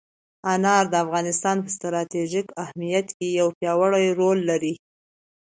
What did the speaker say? انار د افغانستان په ستراتیژیک اهمیت کې یو پیاوړی رول لري.